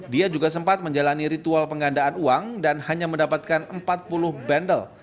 dia juga sempat menjalani ritual penggandaan uang dan hanya mendapatkan empat puluh bendel